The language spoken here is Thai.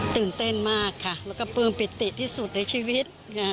ตื่นเต้นมากค่ะแล้วก็ปลื้มปิติที่สุดในชีวิต